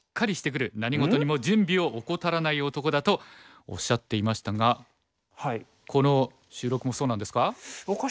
何事にも準備を怠らない男だ」とおっしゃっていましたがこの収録もそうなんですか？